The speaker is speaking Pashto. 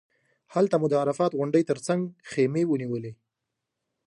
هلته مو د عرفات غونډۍ تر څنګ خیمې ونیولې.